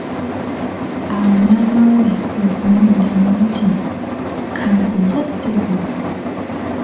Awo maama we kwe kumuddamu nti:"kanzigye ssebo"